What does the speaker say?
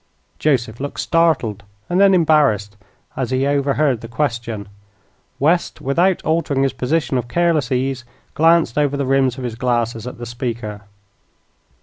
Joseph looked startled, and then embarrassed, as he overheard the question. West, without altering his position of careless ease, glanced over the rims of his glasses at the speaker.